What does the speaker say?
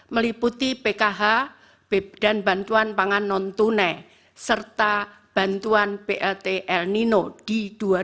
meliputi pkh dan bantuan pangan non tunai serta bantuan plt el nino di dua ribu dua puluh